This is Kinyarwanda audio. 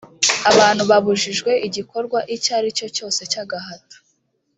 abana babujijwe igikorwa icyo ari cyo cyose cy agahato